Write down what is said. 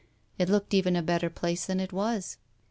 It looked even a better place than it was.